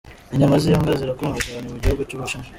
Inyama z'imbwa zirakundwa cyane mu gihugu cy'u Bushinwa.